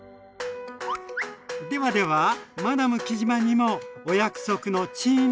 ではではマダム杵島にもお約束のチーン